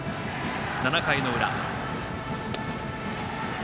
７回の裏。